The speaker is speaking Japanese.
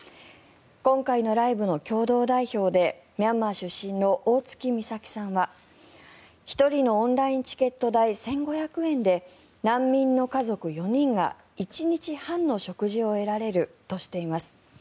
今回のライブの共同代表でミャンマー出身の大槻美咲さんは１人のオンラインチケット代１５００円で難民の家族４人が１日半の食事を得られるとしています。